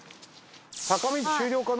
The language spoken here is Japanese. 坂道終了かな？